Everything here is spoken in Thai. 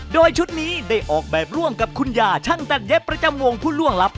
โดยชุดนี้ได้ออกแบบร่วมกับคุณยาช่างตัดเย็บประจำวงผู้ล่วงลับ